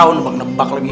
aduh memang nempak lagi